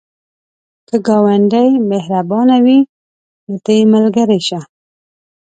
که ګاونډی مهربانه وي، ته یې ملګری شه